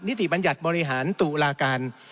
ติบัญญัติบริหารตุลาการ